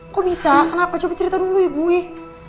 kok bisa kenapa coba cerita dulu ibu ih